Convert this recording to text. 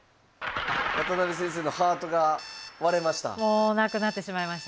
渡辺先生のハートが割れました。